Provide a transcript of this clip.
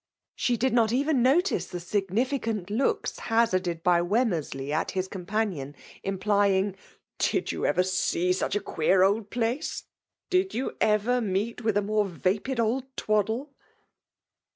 She did not even notice the significant lodks hazarded by Wemmersley at his oompa&ion> implying^ " Did you ever see such a queer old place ?— did you ever meet xaOi a soore vapid old twaddle